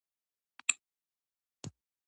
دوی د حساب ماشین په څیر وسایل جوړوي.